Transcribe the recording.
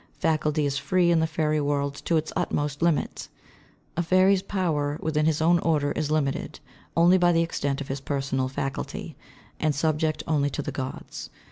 Faculty is free in the fairy world to its utmost limit. A fairy's power within his own order is limited only by the extent of his personal faculty, and subject only to the Gods.